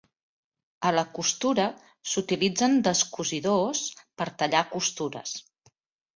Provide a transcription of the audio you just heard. A la costura s'utilitzen descosidors per tallar costures.